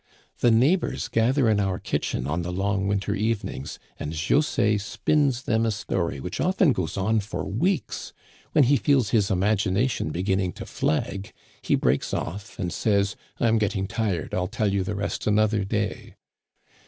The neighbors gather in our kitchen on the long winter even ings, and José spins them a story which often goes on for weeks. When he feels his imagination beginning to flag he breaks off, and says :* I'm getting tired ; I'll tell you the rest another day.'